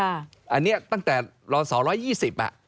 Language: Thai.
อันนี้ตั้งแต่ลศ๑๒๐อ่ะ